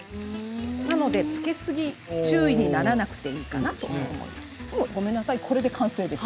なのでつけすぎ注意にならなくていいかなと思います。